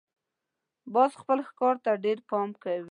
باز خپل ښکار ته ډېر پام کوي